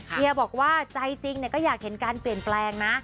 เฮียบอกว่าใจจริงก็อยากเห็นการเปลี่ยนแปลงนะ